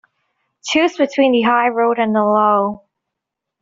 Choose between the high road and the low.